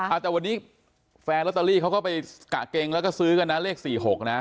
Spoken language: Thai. เอาแต่วันนี้แฟนลอตเตอรี่เขาก็ไปกะเกงแล้วก็ซื้อกันนะเลข๔๖นะ